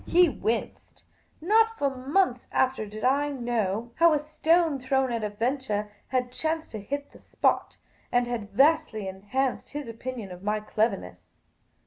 He winced. Not for months after did I know how a stone thrown at a venture had chanced to hit the spot, and had vastly enhanced his opinion of my cleverness.